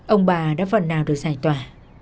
ông bà đã phần nào được giải tỏa